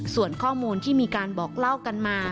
ส่วนข้อมูลที่มีการบอกเล่ากันมา